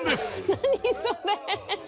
何それ！